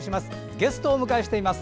ゲストをお迎えしています。